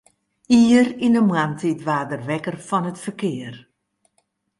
Ier yn 'e moarntiid waard er wekker fan it ferkear.